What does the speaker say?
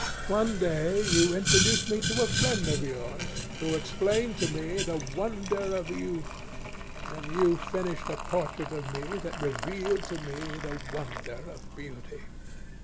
One day you introduced me to a friend of yours, who explained to me the wonder of youth, and you finished a portrait of me that revealed to me the wonder of beauty.